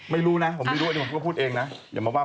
กลัวเขาเหรอ